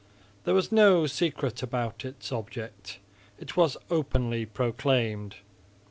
There was no secret about its object; it was openly proclaimed.